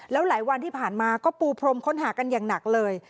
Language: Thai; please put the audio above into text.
แล้วหลายวันที่ผ่านมาก็ปูพรมค้นหากันอย่างหนักเลย